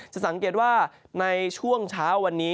สังเกตว่าในช่วงเช้าวันนี้